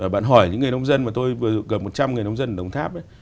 bạn hỏi những người nông dân mà tôi gặp một trăm người nông dân ở đồng tháp ấy